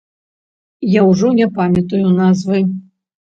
Я ўжо не памятаю назвы.